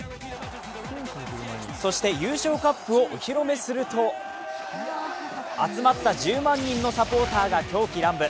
そして、優勝カップをお披露目すると集まった１０万人のサポーターが狂喜乱舞。